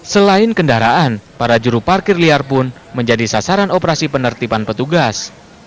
selain kendaraan para juru parkir liar pun menjadi sasaran operasi penertiban petugas